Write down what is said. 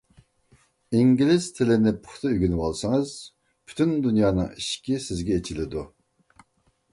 ئىنگلىز تىلىنى پۇختا ئۆگىنىۋالسىڭىز، پۈتۈن دۇنيانىڭ ئىشىكى سىزگە ئېچىلىدۇ.